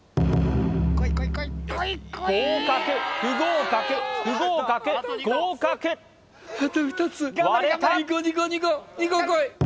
合格不合格不合格合格割れた！